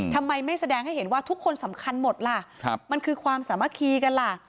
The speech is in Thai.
ทำไมไม่แสดงให้เห็นว่าทุกคนสำคัญหมดล่ะมันคือความสามัคคีกันล่ะ